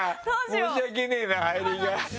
申し訳ねえな入り際。